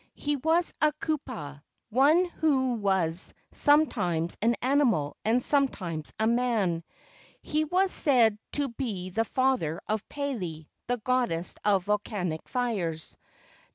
He was a kupua—one who was sometimes an animal and sometimes a man. He was said to be the father of Pele, the goddess of volcanic fires.